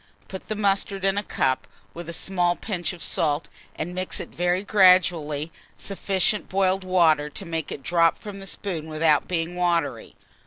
Put the mustard in a cup, with a small pinch of salt, and mix with it very gradually sufficient boiled water to make it drop from the spoon without being watery.